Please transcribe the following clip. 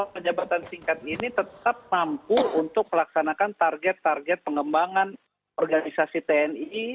pejabatan singkat ini tetap mampu untuk melaksanakan target target pengembangan organisasi tni